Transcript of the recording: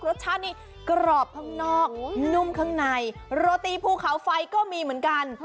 รสชาตินี้กรอบข้างนอกนุ่มข้างในโรตีภูเขาไฟก็มีเหมือนกัน